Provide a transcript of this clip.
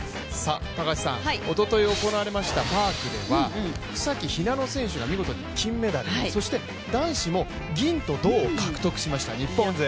おととい行われましたハーフでは、草木ひなの選手が銀メダルそして男子も銀と銅を獲得しました日本勢。